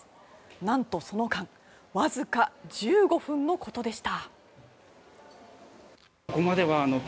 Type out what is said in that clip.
なんと、その間わずか１５分のことでした。